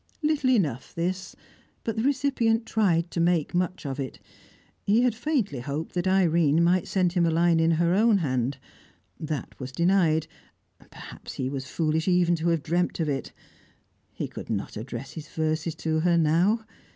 Little enough, this, but the recipient tried to make much of it. He had faintly hoped that Irene might send him a line in her own hand. That was denied, and perhaps he was foolish even to have dreamt of it. He could not address his verses to her, now.